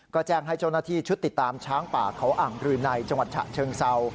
ก็แจ้งให้เจ้าหน้าที่ชุดติดตามช้างป่าเขาอ่างรืนัยจังหวัดฉะเชิงเศร้า